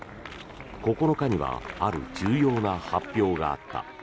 ９日にはある重要な発表があった。